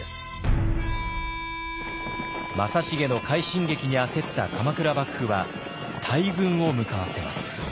正成の快進撃に焦った鎌倉幕府は大軍を向かわせます。